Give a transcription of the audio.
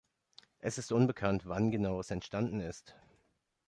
Es ist unbekannt, wann genau es entstanden ist.